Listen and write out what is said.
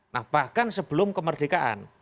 nah bahkan sebelum kemerdekaan